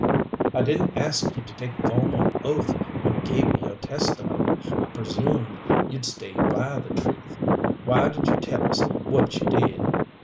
I didn't ask you to take formal oath when you gave me your testimony. I presumed you'd stay by the truth. Why did you tell us what you did?"